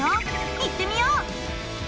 行ってみよう！